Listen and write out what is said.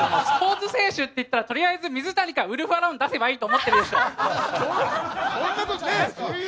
スポーツ選手っていったらとりあえず水谷かウルフ・アロン出せばいいと思ってるでしょ！